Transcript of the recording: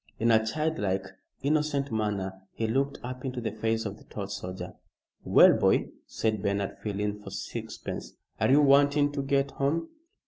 In a child like, innocent manner he looked up into the face of the tall soldier. "Well, boy," said Bernard, feeling for sixpence, "Are you wanting to get home?"